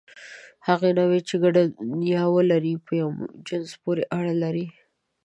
هغه نوعې، چې ګډه نیا ولري، په یوه جنس پورې اړه لري.